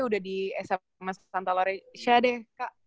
udah di sma santa lorecia deh kak